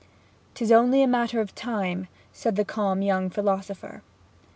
''Tis only a matter of time,' said the calm young philosopher.